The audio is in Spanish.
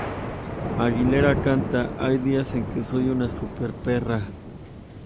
Aguilera canta, "Hay días en que soy una súper perra".